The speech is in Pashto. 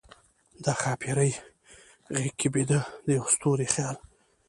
د ښاپیرۍ غیږ کې بیده، د یوه ستوری خیال